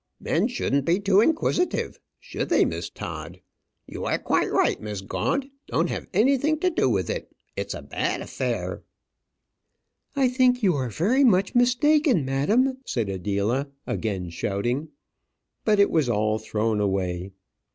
Men shouldn't be too inquisitive; should they, Miss Todd? You are quite right, Miss Gaunt, don't have anything to do with it; it's a bad affair." "I think you are very much mistaken, madam," said Adela, again shouting. But it was all thrown away.